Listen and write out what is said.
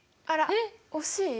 えっ惜しい？